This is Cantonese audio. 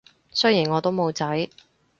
雖然我都冇仔